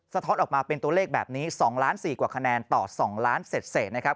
ท้อนออกมาเป็นตัวเลขแบบนี้๒ล้าน๔กว่าคะแนนต่อ๒ล้านเศษนะครับ